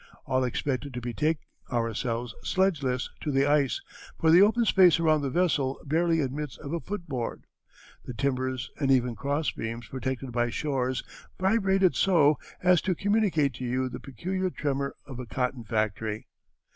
All expected to betake ourselves sledgeless to the ice, for the open space around the vessel barely admits of a foot board. The timbers and even cross beams protected by shores vibrated so as to communicate to you the peculiar tremor of a cotton factory.